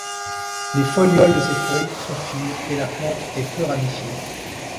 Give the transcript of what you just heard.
Les folioles de ses feuilles sont fines et la plante est peu ramifiée.